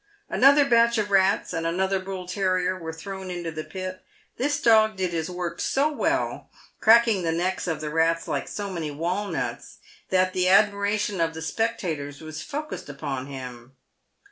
Another batch of rats and another bull terrier were thrown into the pit. This dog did his work so well — cracking the necks of the rats like so many 160 PAYED WITH GOLD. walnuts— that the admiration of the spectators was focussed upon him.